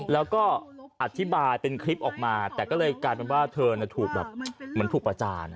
แล้วก็อธิบายเป็นคลิปออกมาแต่ก็เลยกลายเป็นว่าเธอถูกแบบเหมือนถูกประจาน